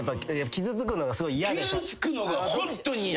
傷つくのがホントに嫌。